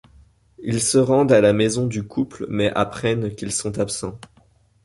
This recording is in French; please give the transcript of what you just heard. Ils se rendent à la maison du couple mais apprennent qu'ils sont absents.